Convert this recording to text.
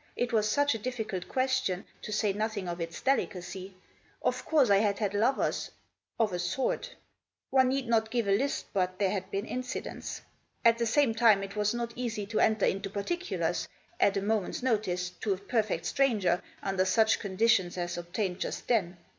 It was such a difficult question, to say nothing of its delicacy. Of course I had had lovers, of a sort One need not give a list, but there had been incidents. At the same time it was not easy to enter into particulars, at a moment's notice, to a perfect stranger, under such conditions as obtained just then.